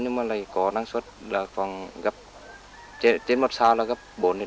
nhưng mà lại có năng suất là còn gặp